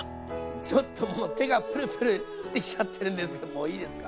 ちょっともう手がプルプルしてきちゃってるんですけどもういいですか。